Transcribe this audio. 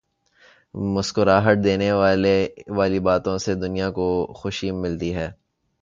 مسکراہٹ دینے والی باتوں سے دنیا کو خوشی ملتی ہے۔